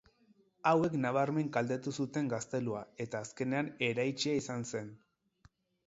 Hauek nabarmen kaltetu zuten gaztelua eta azkenean eraitsia izan zen.